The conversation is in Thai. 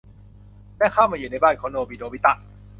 และเข้ามาอยู่ในบ้านของโนบิ โนบิตะ